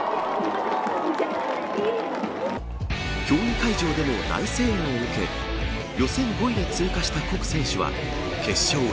競技会場でも大声援を受け予選５位で通過した谷選手は決勝